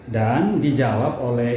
dan dijawab oleh